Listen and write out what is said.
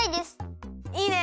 いいね！